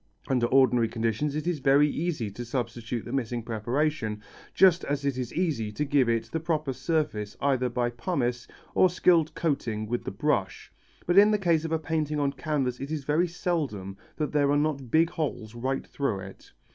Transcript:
Under ordinary conditions it is very easy to substitute the missing preparation, just as it is easy to give it the proper surface either by pumice or skilled coating with the brush, but in the case of a painting on canvas it is very seldom that there are not big holes right through it.